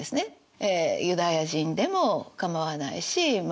ユダヤ人でもかまわないしま